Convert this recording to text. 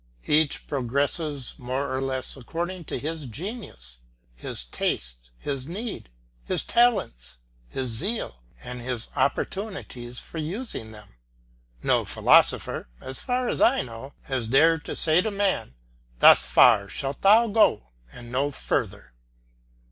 Each progresses more or less according to his genius, his taste, his needs, his talents, his zeal, and his opportunities for using them. No philosopher, so far as I know, has dared to say to man, "Thus far shalt thou go and no further."